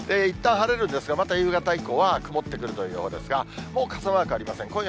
いったん晴れるんですが、また夕方以降は曇ってくるという予報ですが、もう傘マークありません。